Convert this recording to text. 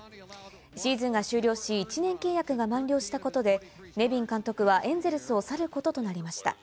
シーズンが終了し、１年契約が満了したことでネビン監督はエンゼルスを去ることとなりました。